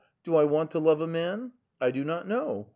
Do I want to love a man ? I do not know